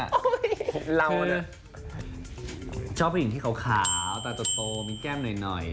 เราชอบผู้หญิงที่ขาวตาโตมีแก้มหน่อย